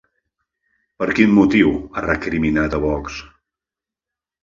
Per quin motiu ha recriminat a Vox?